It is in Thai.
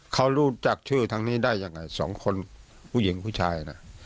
เขารู้จักชื่อทางนี้ได้ยังไงสองคนผู้หญิงผู้ชายนะ